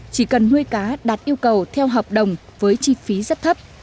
chỉ cần nuôi cá đạt yêu cầu theo hợp đồng với chi phí rất thấp